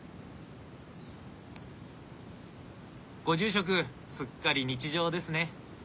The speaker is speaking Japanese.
ご住職すっかり日常ですね。